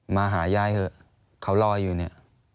มาหายายเถอะเขารออยู่เนี่ย